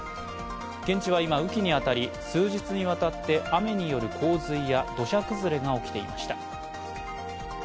現地は今、雨季に当たり、数日にわたって雨による洪水や土砂崩れが起きていました。